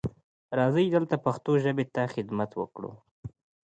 راځئ دلته پښتو ژبې ته خدمت وکړو.